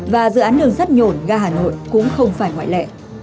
và dự án đường sắt nhổn ga hà nội cũng không phải ngoại lệ